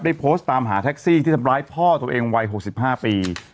โพสต์ตามหาแท็กซี่ที่ทำร้ายพ่อตัวเองวัย๖๕ปี